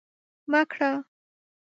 مه کره